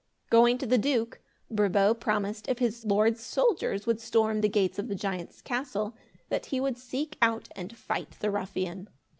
Going to the Duke, Brabo promised if his lord's soldiers would storm the gates of the giant's castle, that he would seek out and fight the ruffian.